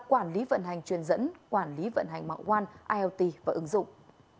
quản lý vận hành truyền dẫn quản lý vận hành mạng quan iot và ứng dụng